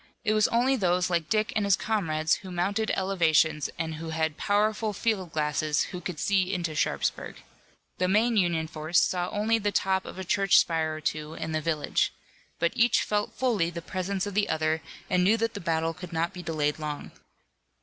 It was only those like Dick and his comrades who mounted elevations and who had powerful field glasses who could see into Sharpsburg. The main Union force saw only the top of a church spire or two in the village. But each felt fully the presence of the other and knew that the battle could not be delayed long.